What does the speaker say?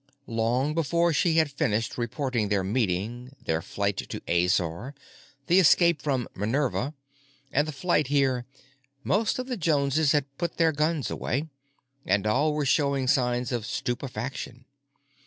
Long before she had finished reporting their meeting, their flight to Azor, the escape from "Minerva," and the flight here, most of the Joneses had put their guns away, and all were showing signs of stupefaction.